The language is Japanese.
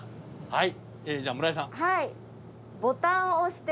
はい。